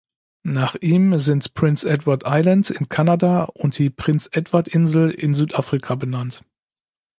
Nach ihm sind Prince Edward Island in Kanada und die Prinz-Edward-Insel in Südafrika benannt.